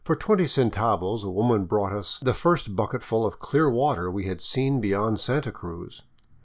For twenty centavos a woman brought us the first bucketful of clear water we had seen beyond Santa Cruz.